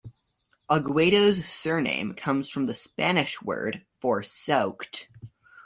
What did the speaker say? Aguado's surname comes from the Spanish word for soaked.